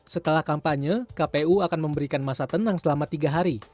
setelah kampanye kpu akan memberikan masa tenang selama tiga hari